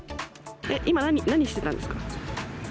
今、何してたんですか？